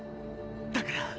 だから。